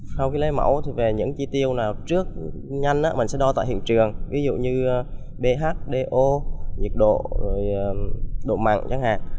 sau khi lấy mẫu về những chi tiêu nào trước nhanh mình sẽ đo tại hiện trường ví dụ như ph do nhiệt độ độ mặn chẳng hạn